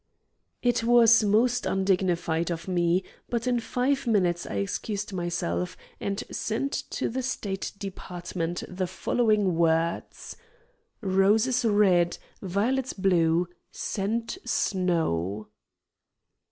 It was most undignified of me, but in five minutes I excused myself, and sent to the State Department the following words: "Roses red, violets blue, send snow."